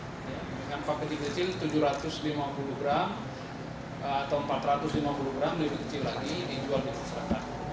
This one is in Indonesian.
dengan paket kecil tujuh ratus lima puluh gram atau empat ratus lima puluh gram lebih kecil lagi dijual di masyarakat